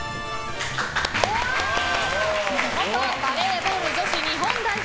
元バレーボール女子日本代表